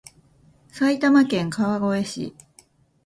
埼玉県川越市